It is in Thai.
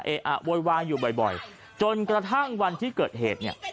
เอ๊ะอ่ะวอยวายอยู่บ่อยบ่อยจนกระทั่งวันที่เกิดเหตุเนี้ย